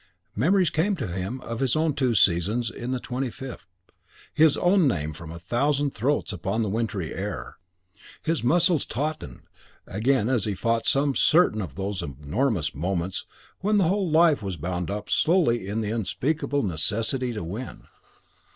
Memories came to him of his own two seasons in the XV; his own name from a thousand throats upon the wintry air. His muscles tautened as again he fought some certain of those enormous moments when the whole of life was bound up solely in the unspeakable necessity to win.